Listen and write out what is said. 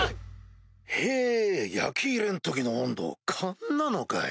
へぇ焼き入れん時の温度勘なのかい？